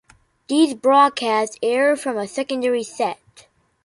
These broadcasts air from a secondary set.